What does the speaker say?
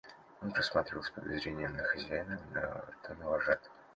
Он посматривал с подозрением то на хозяина, то на вожатого.